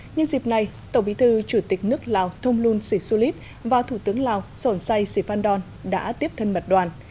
nhân dịp này tổng bí thư chủ tịch nước lào thông luân sì su lít và thủ tướng lào sổn say sì phan đoan đã tiếp thân mặt đoàn